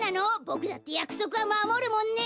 ボクだってやくそくはまもるもんね！